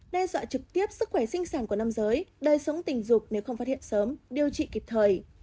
đe dọa trực tiếp sức khỏe sinh sản của nam giới đời sống tình dục nếu không phát hiện sớm điều trị kịp thời